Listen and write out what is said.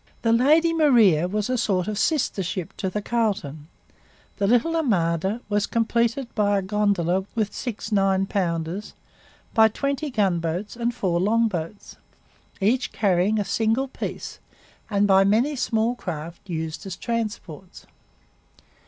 The Lady Maria was a sort of sister ship to the Carleton. The little armada was completed by a 'gondola' with six 9 pounders, by twenty gunboats and four longboats, each carrying a single piece, and by many small craft used as transports.